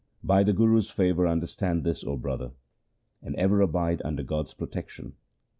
By the Guru's favour understand this, O brother, And ever abide under God's protection.